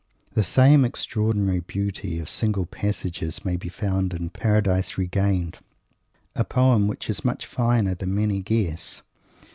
The same extraordinary beauty of single passages may be found in "Paradise Regained," a poem which is much finer than many guess.